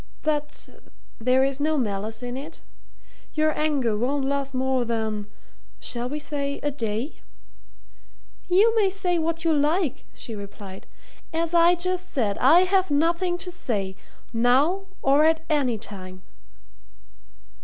"But there is no malice in it? Your anger won't last more than shall we say a day?" "You may say what you like," she replied. "As I just said, I have nothing to say now or at any time."